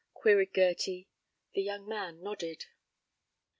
queried Gerty. The young man nodded.